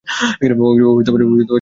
ও জঘন্য একটা কাজ করেছে।